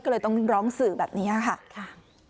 ก็เลยต้องร้องสื่อแบบนี้ค่ะ